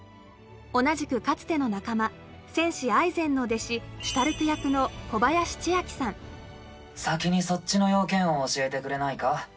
同じくかつての仲間戦士アイゼンの弟子先にそっちの用件を教えてくれないか？